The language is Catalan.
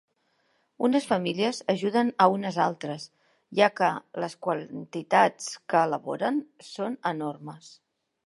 Unes famílies ajuden a unes altres, ja que les quantitats que elaboren són enormes.